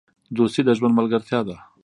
دوستي د ژوند ملګرتیا ده.